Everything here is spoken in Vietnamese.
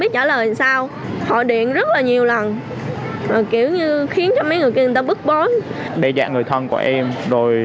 tra tấn tinh thần bằng những cuộc gọi